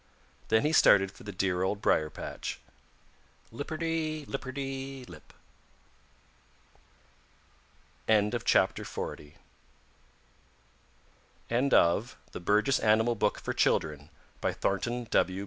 Then he started for the dear Old Briar patch, lipperty lipperty lip. End of the Project Gutenberg EBook of The Burgess Animal Book for Children, by Thornton W.